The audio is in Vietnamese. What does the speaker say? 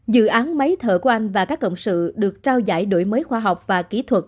dự án máy thở của anh và các cộng sự được trao giải đổi mới khoa học và kỹ thuật